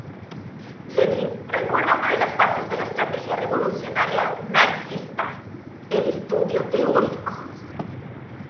Lenin recuerda una de las bases de la estrategia revolucionaria marxista: el estudio teórico.